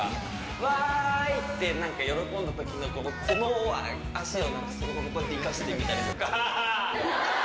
わーいって、なんか喜んだときの、この足を生かしてみたりとか。